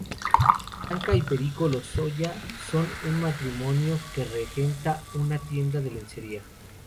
Blanca y Perico Lozoya son un matrimonio que regenta una tienda de lencería.